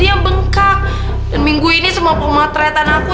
aku harus cari tahu